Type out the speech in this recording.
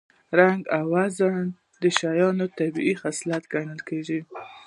رنګ او وزن د شیانو طبیعي خصلت ګڼل کېږي